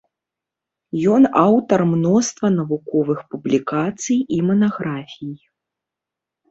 Ён аўтар мноства навуковых публікацый і манаграфій.